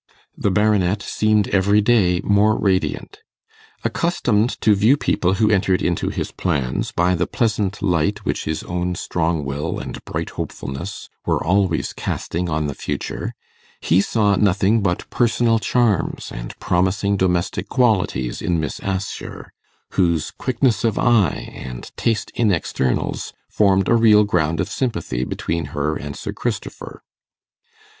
The Baronet seemed every day more radiant. Accustomed to view people who entered into his plans by the pleasant light which his own strong will and bright hopefulness were always casting on the future, he saw nothing hut personal charms and promising domestic qualities in Miss Assher, whose quickness of eye and taste in externals formed a real ground of sympathy between her and Sir Christopher.